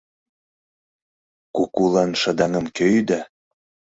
Кукулан шыдаҥым кӧ ӱда?